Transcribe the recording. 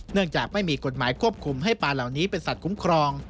จากไม่มีกฎหมายควบคุมให้ปลาเหล่านี้เป็นสัตว์คุ้มครอง